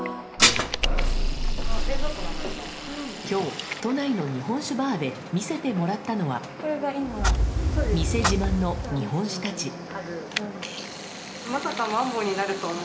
今日、都内の日本酒バーで見せてもらったのは店自慢の日本酒たち。